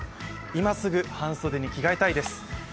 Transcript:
今すぐ半袖にきがえたいです。